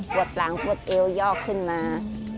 ปวดหลังปวดเอวยอกขึ้นมา